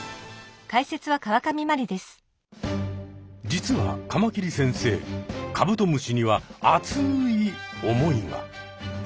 実はカマキリ先生カブトムシにはあつい思いが。